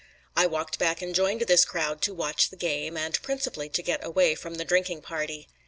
I walked back and joined this crowd to watch the game, and principally to get away from the drinking party.